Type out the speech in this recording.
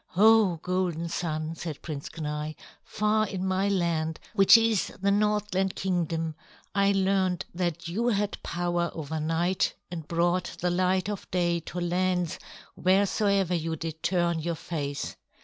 "Oh, Golden Sun," said Prince Kenai, "far in my land which is the Northland Kingdom, I learned that you had power over night and brought the light of day to lands wheresoever you did turn your face.